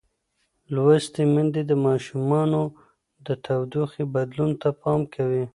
لوستې میندې د ماشومانو د تودوخې بدلون ته پام کوي.